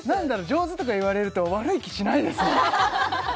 上手とか言われると悪い気しないですね